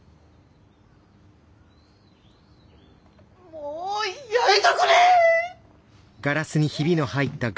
もうやめとくれ！